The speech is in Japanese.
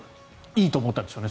でも、いいと思ったんでしょうね